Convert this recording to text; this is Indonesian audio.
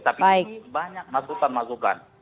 tapi ini banyak masukan masukan